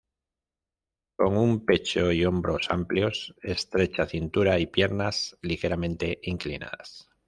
Con un pecho y hombros amplios, estrecha cintura y piernas ligeramente inclinadas.